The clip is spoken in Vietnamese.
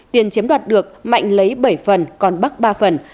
tiền chiếm đoạt được mạnh lấy bảy phần còn bắc ba phần